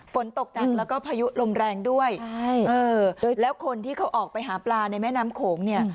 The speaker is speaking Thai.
ฝนตกหนักแล้วก็พายุลมแรงด้วยใช่เออแล้วคนที่เขาออกไปหาปลาในแม่น้ำโขงเนี่ย